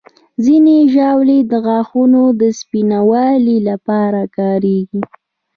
ځینې ژاولې د غاښونو د سپینوالي لپاره کارېږي.